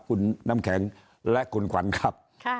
คุณน้ำแข็งและคุณขวัญครับ